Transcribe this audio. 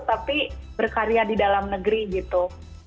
tapi berkarya di dalam negeri gitu